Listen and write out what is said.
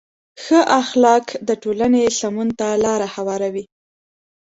ښه اخلاق د ټولنې سمون ته لاره هواروي.